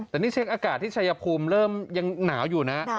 แต่นี่เช็คอากาศที่ชายภูมิเริ่มยังหนาวอยู่นะ